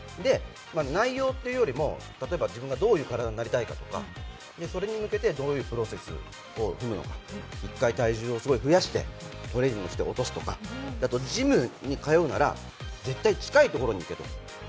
内容というよりも、例えば自分がどういう体になりたいかとかそれに向けてどういうプロセスを踏むのか、一回体重を増やして、トレーニングをして落とすとかジムに通うなら、絶対近い所に行けと。